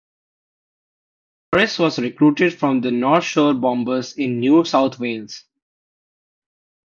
Morris was recruited from the North Shore Bombers in New South Wales.